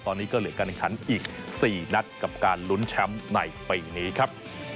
ตอนนี้ก็เหลือการแข่งขันอีก๔นัดกับการลุ้นแชมป์ในปีนี้ครับ